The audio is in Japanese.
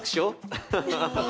アハハハハッ。